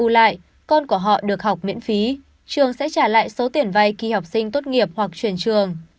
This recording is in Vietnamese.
lại con của họ được học miễn phí trường sẽ trả lại số tiền vay khi học sinh tốt nghiệp hoặc chuyển trường